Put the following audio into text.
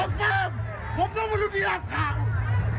พวกคุณไม่ใช่พวกคุณโกรธปลอม